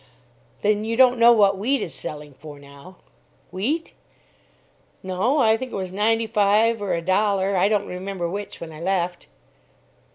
"Then you don't know what wheat is selling for now?" "Wheat? No. I think it was ninety five or a dollar, I don't remember which, when I left."